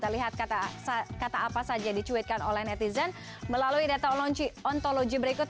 lihat kata apa saja dicuitkan oleh netizen melalui data ontologi berikut